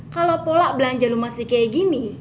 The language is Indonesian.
kalau pola belanja lu masih kayak gini